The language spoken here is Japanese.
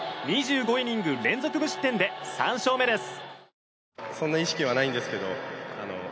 ２５イニング連続無失点で３勝目です。